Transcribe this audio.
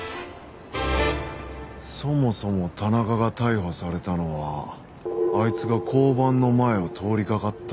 そもそも田中が逮捕されたのはあいつが交番の前を通りかかったから。